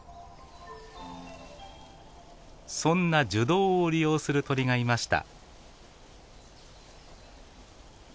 そんな樹洞を利用する鳥がいました。